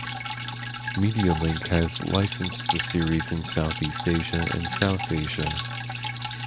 Medialink has licensed the series in Southeast Asia and South Asia.